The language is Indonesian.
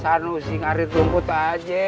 sanusi ngarit rumput aja